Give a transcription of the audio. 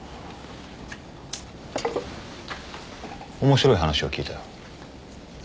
面白い話を聞いたよ